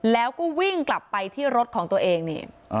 แล้วก็วิ่งกลับไปที่รถของตัวเองนี่